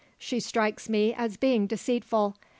She strikes me as being deceitful.